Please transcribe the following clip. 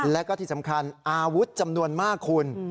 แล้วก็ที่สำคัญอาวุธจำนวนมากคุณ